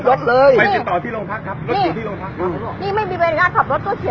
ก็อยู่น้ำน้ำไหนพบคุณไปติดต่อพี่หลงพักให้